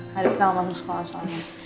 hari pertama mau ke sekolah soalnya